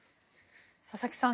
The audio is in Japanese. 佐々木さん